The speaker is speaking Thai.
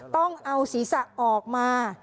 ต้องเอาศีรษะออกมา